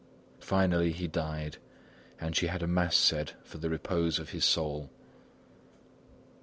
Finally he died; and she had a mass said for the repose of his soul.